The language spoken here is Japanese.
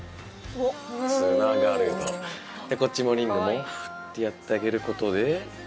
でこっちのリングもフーってやってあげる事で。